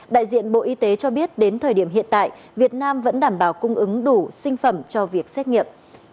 đại diện bộ y tế cho biết đến thời điểm hiện tại việt nam vẫn đảm bảo cung ứng đủ sinh phẩm cho việc xét nghiệm